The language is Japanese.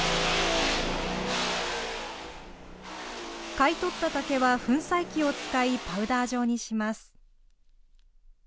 買い取った竹は粉砕機を使い、パウダー状にします。